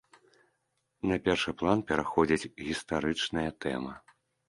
На першы план пераходзіць гістарычная тэма.